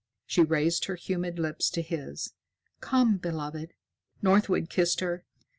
She raised her humid lips to his. "Come, beloved." Northwood kissed her.